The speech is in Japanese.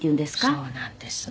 そうなんです。